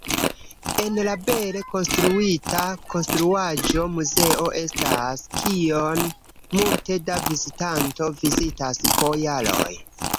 En la bele konstruita konstruaĵo muzeo estas, kion multe da vizitanto vizitas po jaroj.